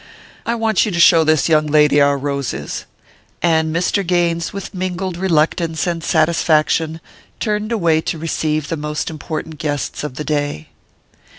I want you to show this young lady our roses." And Mr. Gaines, with mingled reluctance and satisfaction, turned away to receive the most important guests of the day.